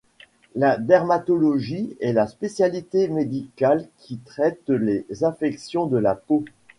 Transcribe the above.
La dermatologie est la spécialité médicale qui traite les affections de la peau.